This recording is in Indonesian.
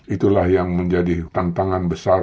itulah yang menjadi tantangan besar